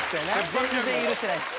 全然許してないです。